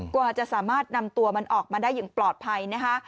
กว่าจะสามารถนำตัวมันออกมาได้อย่างปลอดภัยนะคะ